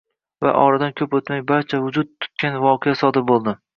Va oradan koʻp oʻtmay barcha vujud tutgan voqea sodir boʻladi